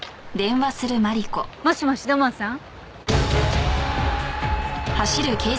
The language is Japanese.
もしもし土門さん？